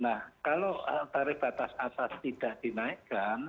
nah kalau tarif batas atas tidak dinaikkan